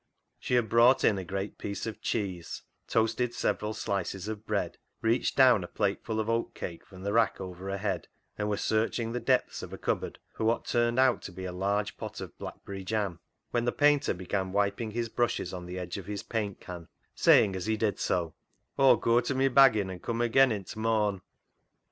She had brought in a great piece of cheese, toasted several slices of bread, reached down a plateful of oatcake from the rack over her head, and was searching the depths of a cupboard for what "HANGING HIS HAT UP" 77 turned out to be a large pot of blackberry jam, when the painter began wiping his brushes on the edge of his paint can, saying as he did so —" Aw'll goa to my baggin [tea], an' cum agean i' t' morn."